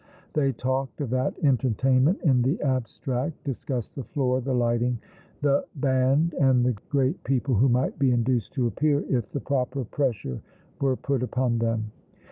They talked of that entertainment in the abstract — discussed the floor — the lighting — the band — and the great people who might be induced to appear, if the proper pressure were put upon them.